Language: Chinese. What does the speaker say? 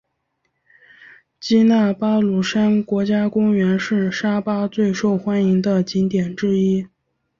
基纳巴卢山国家公园是沙巴最受欢迎的景点之一。